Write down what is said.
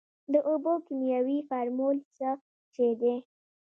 د اوبو کیمیاوي فارمول څه شی دی.